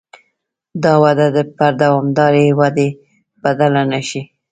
دا وده پر دوامدارې ودې بدله نه شي.